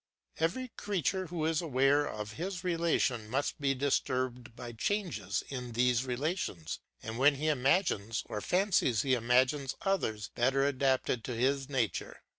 Every creature who is aware of his relations must be disturbed by changes in these relations and when he imagines or fancies he imagines others better adapted to his nature.